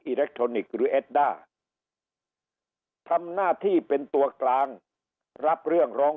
เล็กทรอนิกส์หรือเอ็ดด้าทำหน้าที่เป็นตัวกลางรับเรื่องร้อง